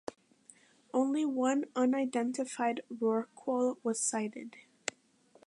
Only one unidentified rorqual was sighted.